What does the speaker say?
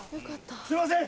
すいません